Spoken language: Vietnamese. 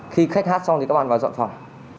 khi khách hát xong thì các bạn vào dọn phòng